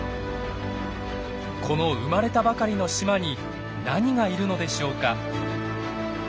この生まれたばかりの島に何がいるのでしょうか。